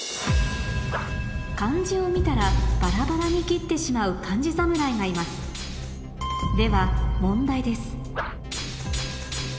漢字を見たらバラバラに斬ってしまう漢字侍がいますでは問題です